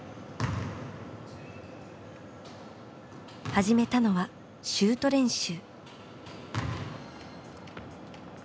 始めたのはシュート練習。